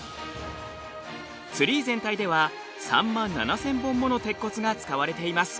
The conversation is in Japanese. ツリー全体では３万７，０００本もの鉄骨が使われています。